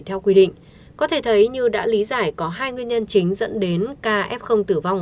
theo quy định có thể thấy như đã lý giải có hai nguyên nhân chính dẫn đến caf tử vong